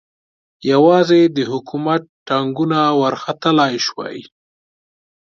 یوازې د حکومت ټانګونه ورختلای شوای.